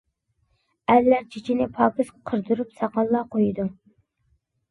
ئەرلەر چېچىنى پاكىز قىردۇرۇپ ساقاللا قويىدۇ.